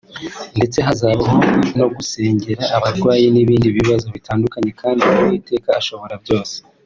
ndetse hazabaho no gusengera abarwayi n'ibindi bibazo bitandukanye kandi Uwiteka ashobora byose